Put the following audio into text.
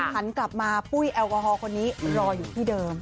สังครรภ์กลับมาตุ๊ยแอลกอฮอล์คนนี้รออยู่ที่เดิม